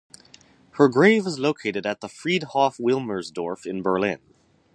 Her grave is located at the Friedhof Wilmersdorf in Berlin.